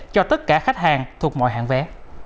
cho tất cả khách hàng thuộc mọi hãng vé